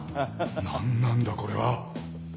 何なんだこれは！